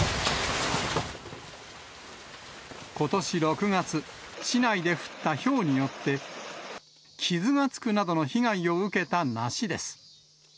ことし６月、市内で降ったひょうによって、傷がつくなどの被害を受けた梨です。